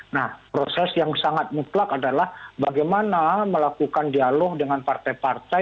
nah proses yang sangat mutlak adalah bagaimana melakukan dialog dengan partai partai